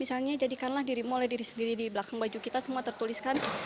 misalnya jadikanlah dirimu oleh diri sendiri di belakang baju kita semua tertuliskan